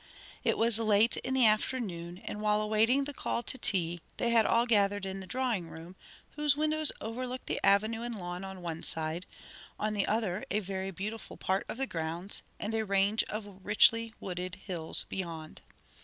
It was late in the afternoon and while awaiting the call to tea, they had all gathered in the drawing room, whose windows overlooked the avenue and lawn on one side, on the other a very beautiful part of the grounds, and a range of richly wooded hills beyond.